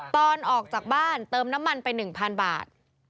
ตอนออกจากบ้านเติมน้ำมันไปหนึ่งพันบาท